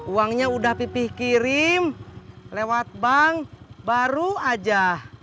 uangnya udah pipih kirim lewat bank baru aja